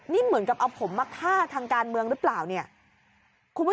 นี่เหมือนกับเอาผมมาฆ่าทางกาญบังหรือเปล่าเนี่ยคุณผู้